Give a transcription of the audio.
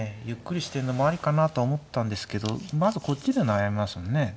ゆっくりしてんのもありかなとは思ったんですけどまずこっちで悩みますね。